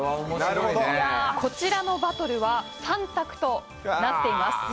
こちらのバトルは３択となっています